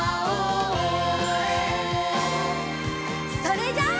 それじゃあ。